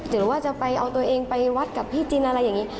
หรือว่าจะไปเอาตัวเองไปวัดกับพี่จินอะไรอย่างนี้